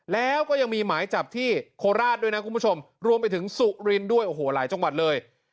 แล้วก็ยังมีหมายจับที่โคราชด้วยนะคุณผู้ชมรวมไปถึงสุรินทร์ด้วยโอ้โหหลายจังหวัดเลย